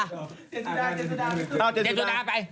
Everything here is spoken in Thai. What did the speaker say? เจนสุดาไป